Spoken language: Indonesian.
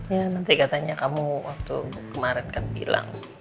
ya menteri katanya kamu waktu kemarin kan bilang